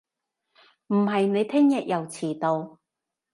唔係你聽日又遲到